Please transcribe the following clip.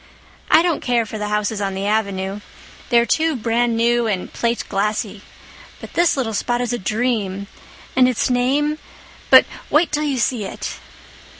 I don't care for the houses on the Avenue. They're too brand new and plateglassy. But this little spot is a dream—and its name—but wait till you see it."